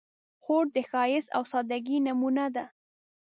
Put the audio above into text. خور د ښایست او سادګۍ نمونه ده.